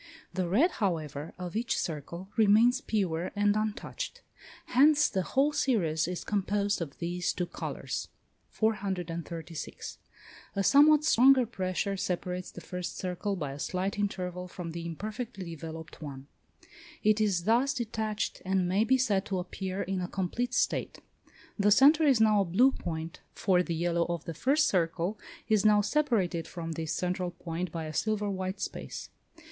The red, however, of each circle, remains pure and untouched; hence the whole series is composed of these two colours. 436. A somewhat stronger pressure separates the first circle by a slight interval from the imperfectly developed one: it is thus detached, and may be said to appear in a complete state. The centre is now a blue point; for the yellow of the first circle is now separated from this central point by a silver white space.